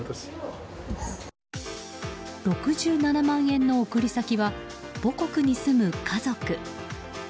６７万円の送り先は母国に住む家族。